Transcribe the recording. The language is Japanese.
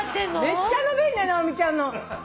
めっちゃ伸びるね直美ちゃんの。